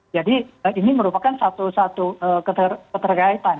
jadi ini merupakan satu satu keterkaitan